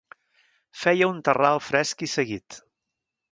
Feia un terral fresc i seguit.